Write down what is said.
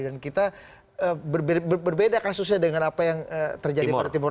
dan kita berbeda kasusnya dengan apa yang terjadi di timur